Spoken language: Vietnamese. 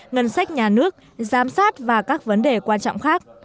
ngân sách nhà nước giám sát và các vấn đề quan trọng khác